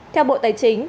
theo bộ tài chính